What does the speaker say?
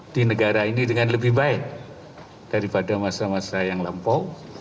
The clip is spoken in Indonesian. di negara ini dengan lebih baik daripada masa masa yang lampau